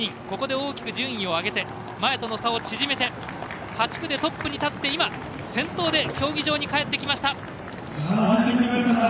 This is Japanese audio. ここで大きく順位を上げて前との差を縮めて８区でトップに立って今先頭で競技場に帰ってきました。